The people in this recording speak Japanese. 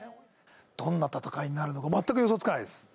どんな戦いになるのか全く予想がつかないです。